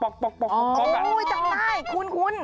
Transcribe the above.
โอ้วกับฝ่ายคุ้น